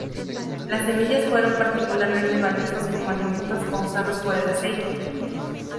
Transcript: Las semillas fueron particularmente valiosos como alimentos o usados por el aceite.